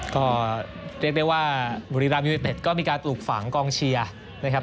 ก็เรียกได้ว่าบุรีรัมยูนิเต็ดก็มีการปลูกฝังกองเชียร์นะครับ